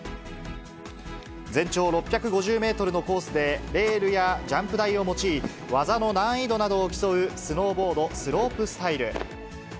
全長６５０メートルのコースで、レールやジャンプ台を用い、技の難易度などを競うスノーボードスロープスタイル。